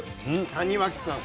谷脇さん